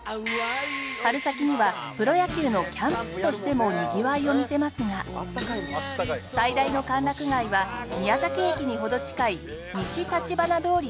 春先にはプロ野球のキャンプ地としてもにぎわいを見せますが最大の歓楽街は宮崎駅に程近い西橘通り